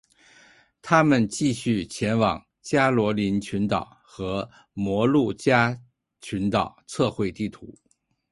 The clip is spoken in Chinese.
他们继续前往加罗林群岛和摩鹿加群岛测绘地图。